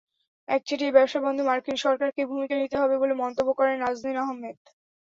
একচেটিয়া ব্যবসা বন্ধে মার্কিন সরকারকেই ভূমিকা নিতে হবে বলে মন্তব্য করেন নাজনীন আহমেদ।